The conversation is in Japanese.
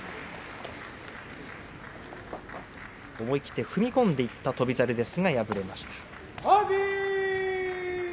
思い切って踏み込んでいった翔猿ですが、敗れました。